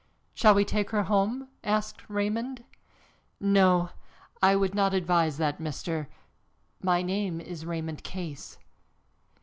"Shall we take her home?" asked Raymond. "No, I would not advise that, Mr. " "My name is Raymond Case."